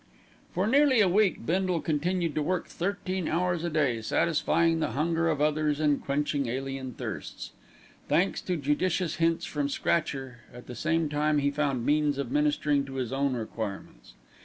For nearly a week Bindle continued to work thirteen hours a day, satisfying the hunger of others and quenching alien thirsts. Thanks to judicious hints from Scratcher, at the same time he found means of ministering to his own requirements.